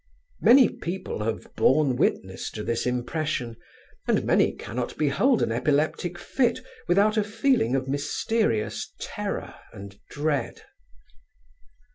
Many people have borne witness to this impression; and many cannot behold an epileptic fit without a feeling of mysterious terror and dread.